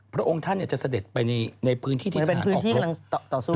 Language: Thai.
พระองค์ท่านจะเสด็จไปในพื้นที่ที่ทหารออกต่อสู้